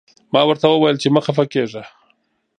ما ورته وویل چې مه خفه کېږه.